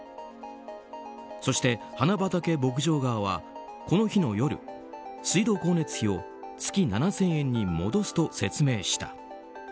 そして花畑牧場側はこの日の夜水道光熱費を月７０００円に戻すと説明した。